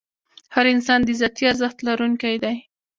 هر انسان د ذاتي ارزښت لرونکی دی.